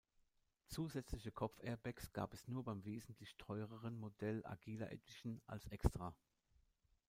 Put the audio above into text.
Zusätzliche Kopfairbags gab es nur beim wesentlich teureren Modell "Agila Edition" als Extra.